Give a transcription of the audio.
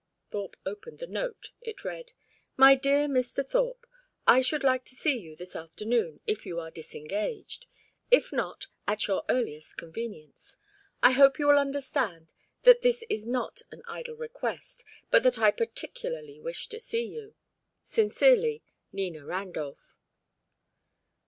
Thorpe opened the note. It read: MY DEAR MR. THORPE, I should like to see you this afternoon, if you are disengaged. If not, at your earliest convenience. I hope you will understand that this is not an idle request, but that I particularly wish to see you. Sincerely, NINA RANDOLPH.